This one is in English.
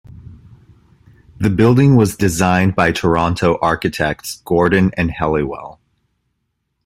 The building was designed by Toronto architects Gordon and Helliwell.